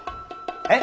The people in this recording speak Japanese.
えっ？